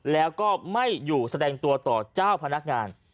แล้วก็ไม่อยู่แสดงตัวต่อเจ้าพนักงาน